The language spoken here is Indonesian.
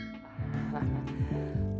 ini mau diapain nih